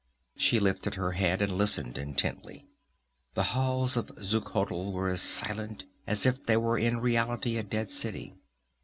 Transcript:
She lifted her head and listened intently. The halls of Xuchotl were as silent as if it were in reality a dead city.